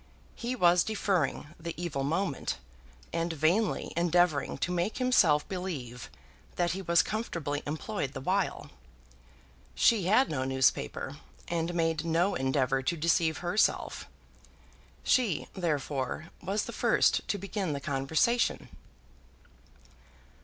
He was deferring the evil moment, and vainly endeavouring to make himself believe that he was comfortably employed the while. She had no newspaper, and made no endeavour to deceive herself. She, therefore, was the first to begin the conversation.